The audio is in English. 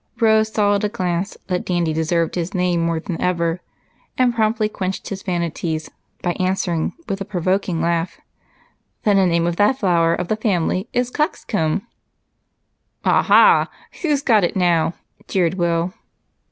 Rose saw at a glance that Dandy deserved his name more than ever, and promptly quenched his vanities by answering, with a provoking laugh, "Then the name of the flower of the family is Cockscomb." "Ah, ha! who's got it now?" jeered Will.